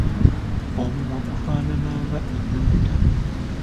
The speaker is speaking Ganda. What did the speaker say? Omumwa gufaanana nga ennukuta.